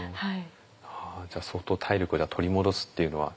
じゃあ相当体力を取り戻すっていうのは。